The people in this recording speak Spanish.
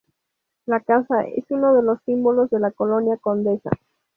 La casa es uno de los símbolos de la Colonia Condesa.